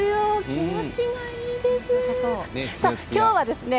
気持ちがいいです。